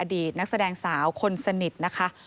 ดีตนักแสดงสาวคนสนิทนะคะ